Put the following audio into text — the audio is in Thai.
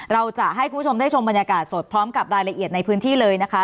เราจะให้คุณผู้ชมได้ชมบรรยากาศสดพร้อมกับรายละเอียดในพื้นที่เลยนะคะ